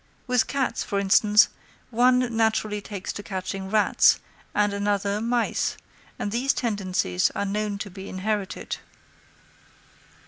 With cats, for instance, one naturally takes to catching rats, and another mice, and these tendencies are known to be inherited.